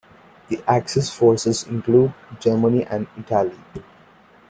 The Axis forces include Germany and Italy.